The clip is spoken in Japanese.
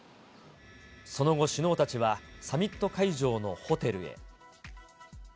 その後、首脳たちはサミット会場のホテルへ。